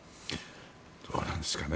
どうなんですかね。